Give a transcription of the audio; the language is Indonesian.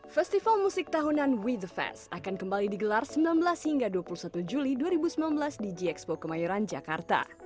festival musik tahunan we the fest akan kembali digelar sembilan belas hingga dua puluh satu juli dua ribu sembilan belas di gxpo kemayoran jakarta